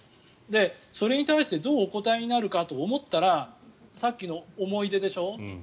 それに対してどうお答えになるかと思ったらさっきの思い出でしょ。